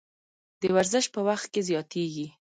د ورزش په وخت کې زیاتیږي.